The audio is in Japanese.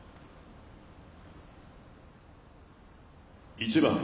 １番